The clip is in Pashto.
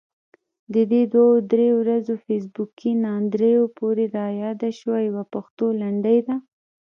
د دې دوه درې ورځو فیسبوکي ناندريو پورې رایاده شوه، يوه پښتو لنډۍ ده: